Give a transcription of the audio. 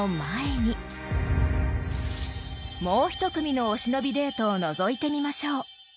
［もう一組のお忍びデートをのぞいてみましょう］